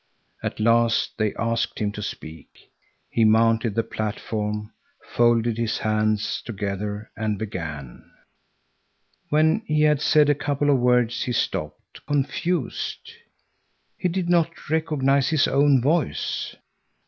At last they asked him to speak. He mounted the platform, folded his hands together and began. When he had said a couple of words he stopped, confused. He did not recognize his own voice.